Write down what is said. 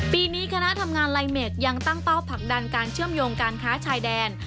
ปีนี้คณะทำงานไลเมคยังตั้งเป้าผลักดันการเชื่อมโยงการค้าชายแดน